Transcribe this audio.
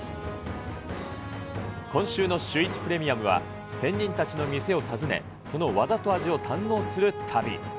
今週のシューイチプレミアムは、仙人たちの店を訪ね、その技と味を堪能する旅。